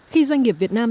khi doanh nghiệp việt nam